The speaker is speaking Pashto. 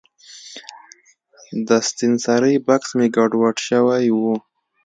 د ستنسرۍ بکس مې ګډوډ شوی و.